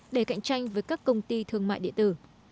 để cạnh tranh với các công ty thương mại địa tử